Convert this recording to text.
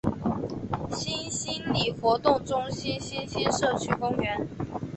新兴里活动中心新兴社区公园